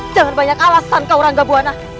jangan banyak alasan kau rangga buana